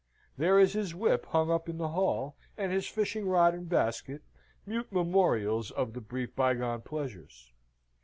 There is his whip hung up in the hall, and his fishing rod and basket mute memorials of the brief bygone pleasures.